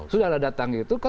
sudah lah datang gitu